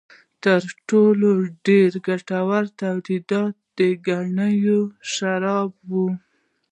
تر ټولو ډېر ګټور تولیدات د ګنیو شراب و.